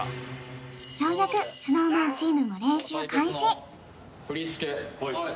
ようやくＳｎｏｗＭａｎチームも練習開始はい